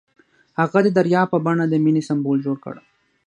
هغه د دریاب په بڼه د مینې سمبول جوړ کړ.